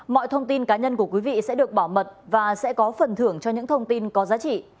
mọi thông tin cá nhân của quý vị sẽ được bảo mật và sẽ có phần thưởng cho những thông tin có giá trị